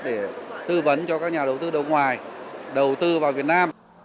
để tư vấn cho các nhà đầu tư nước ngoài đầu tư vào việt nam